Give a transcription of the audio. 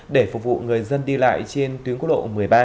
để phục vụ người dân đi lại trên tuyến quốc lộ một mươi ba